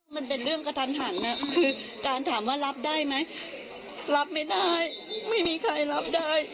มันเป็นเรื่องกระทันหันคือการถามว่ารับได้ไหมรับไม่ได้ไม่มีใครรับได้